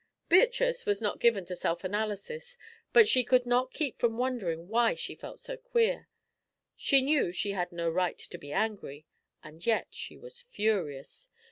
Beatrice was not given to self analysis, but she could not keep from wondering why she felt so queer. She knew she had no right to be angry, and yet she was furious.